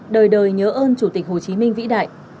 lời nhớ ơn chủ tịch hồ chí minh vĩ đại